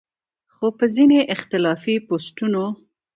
خو پۀ ځينې اختلافي پوسټونو